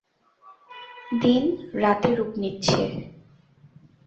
দিন রাতে রূপ নিচ্ছে?